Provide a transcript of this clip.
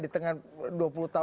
di tengah dua puluh tahun